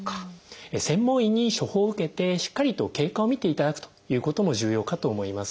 専門医に処方を受けてしっかりと経過を見ていただくということも重要かと思います。